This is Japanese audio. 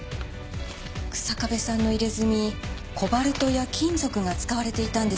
日下部さんの入れ墨コバルトや金属が使われていたんですよ。